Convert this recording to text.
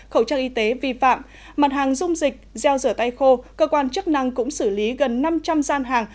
khẩu trang y tế vi phạm mặt hàng dung dịch gel rửa tay khô cơ quan chức năng cũng xử lý gần năm trăm linh gian hàng